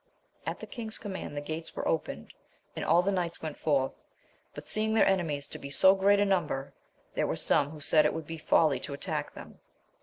At the king's command the gates were opened, and all the knights went forth ; but, seeing their enemies to be so great a number, there were some who said it would be folly to attack them.